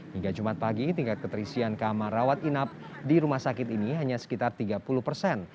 hingga jumat pagi tingkat keterisian kamar rawat inap di rumah sakit ini hanya sekitar tiga puluh persen